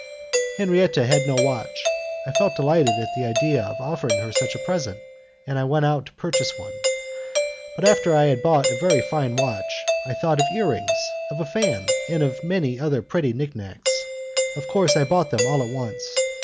Henriette had no watch. I felt delighted at the idea of offering her such a present, and I went out to purchase one, but after I had bought a very fine watch, I thought of ear rings, of a fan, and of many other pretty nicknacks. Of course I bought them all at once.